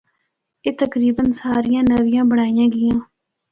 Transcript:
اے تقریبا ساریاں نوّیاں بنڑائیاں گیاں۔